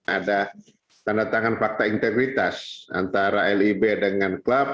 ada tanda tangan fakta integritas antara lib dengan klub